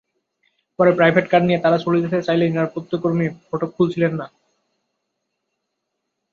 পরে private car নিয়ে তারা চলে যেতে চাইলে নিরাপত্তাকর্মী ফটক খুলছিলেন না।